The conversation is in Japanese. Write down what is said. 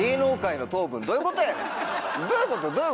どういうことやねん！